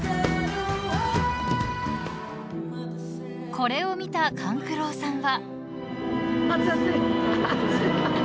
［これを見た勘九郎さんは］